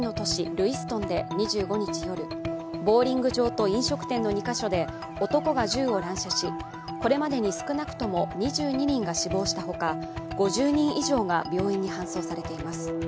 ルイストンで２５日夜、ボウリング場と飲食店の２か所で男が銃を乱射しこれまでに少なくとも２２人が死亡したほか５０人以上が病院に搬送されています。